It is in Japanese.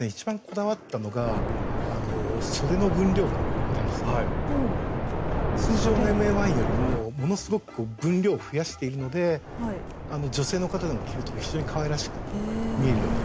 やはりですね通常のＭＡ−１よりもものすごく分量を増やしているので女性の方が着ると非常にかわいらしく見えるような形になってます。